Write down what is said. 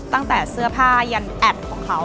ตั้งแต่เสื้อผ้ายันแอดของเขา